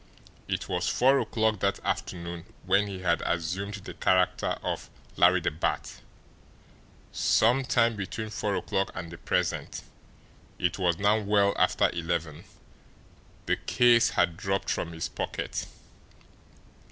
It was four o'clock that afternoon when he had assumed the character of Larry the Bat some time between four o'clock and the present, it was now well after eleven, the case had dropped from his pocket.